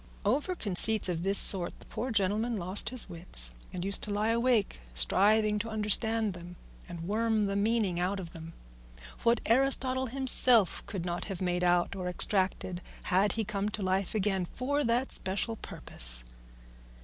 Over conceits of this sort the poor gentleman lost his wits, and used to lie awake striving to understand them and worm the meaning out of them; what Aristotle himself could not have made out or extracted had he come to life again for that special purpose.